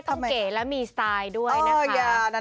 เก๋และมีสไตล์ด้วยนะคะ